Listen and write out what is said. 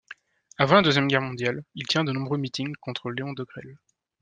Avant la deuxième guerre mondiale, il tient de nombreux meetings contre Léon Degrelle.